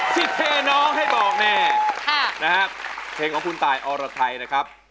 เพลงน้องให้บอกแน่นะครับเพลงของคุณตายอรไทยนะครับ